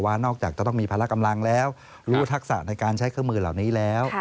นอกจากจะต้องมีพละกำลังแล้วรู้ทักษะในการใช้เครื่องมือเหล่านี้แล้ว